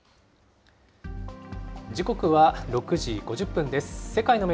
時刻は６時５０分です。